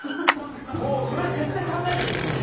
もうそれは絶対に考えていると思います。